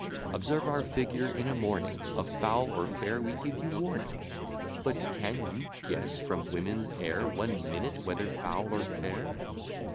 Observe our figure in a morning, Of foul or fair we give you warning; But can you guess from women's air One minute, whether foul or fair?